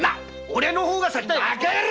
オレの方が先だ。